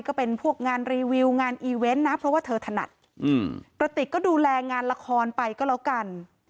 ก็เป็นพวกงานรีวิวงานอีเวนต์นะเพราะว่าเธอถนัดกระติกก็ดูแลงานละครไปก็แล้วกัน